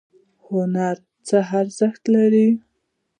هنر څه ارزښت لري؟